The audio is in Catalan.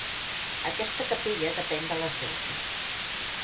Aquesta capella depèn de l'església.